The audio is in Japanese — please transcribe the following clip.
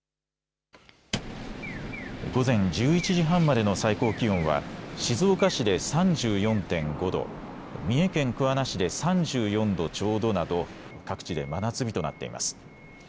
午前１１時半までの最高気温は静岡市で３４．５度、三重県桑名市で３４度ちょうどなど各地で真夏日となっています。